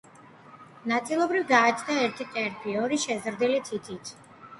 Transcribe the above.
ნაწილობრივ გააჩნდა ერთი ტერფი ორი შეზრდილი თითით.